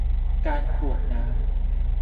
การกรวดน้ำ